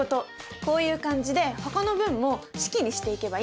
こういう感じでほかの文も式にしていけばいいの。